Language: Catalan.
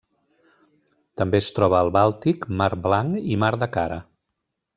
També es troba al Bàltic, Mar Blanc i Mar de Kara.